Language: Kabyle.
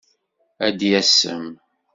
Ad yasem.